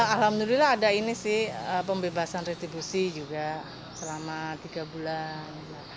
alhamdulillah ada ini sih pembebasan retribusi juga selama tiga bulan